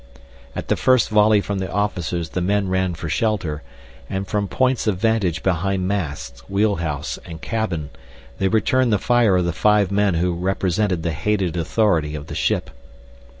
At the first volley from the officers the men ran for shelter, and from points of vantage behind masts, wheel house and cabin they returned the fire of the five men who represented the hated authority of the ship.